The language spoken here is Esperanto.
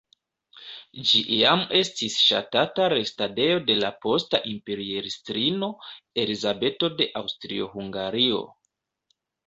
Ĝi iam estis ŝatata restadejo de la posta imperiestrino Elizabeto de Aŭstrio-Hungario.